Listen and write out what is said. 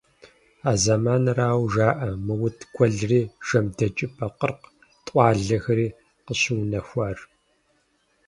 А зэманырауэ жаӀэ МыутӀ гуэлри, ЖэмдэкӀыпӀэ, Къыркъ тӀуалэхэри къыщыунэхуар.